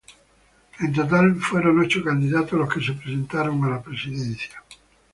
En total fueron ocho candidatos los que se presentaron a la Presidencia.